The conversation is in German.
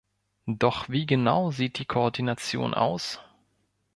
Doch wie genau sieht die Koordination aus?